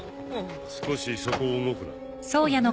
少しそこを動くな。